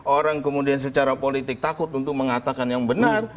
orang kemudian secara politik takut untuk mengatakan yang benar